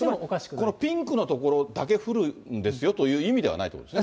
このピンクの所だけ降るんですよという意味ではないんですね。